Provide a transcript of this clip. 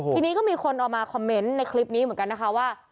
ทีนี้ก็มีคนเอามาคอมเมนต์ในคลิปนี้เหมือนกันนะคะว่า